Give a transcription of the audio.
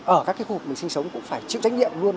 ở các khu vực mình sinh sống cũng phải chịu trách nhiệm luôn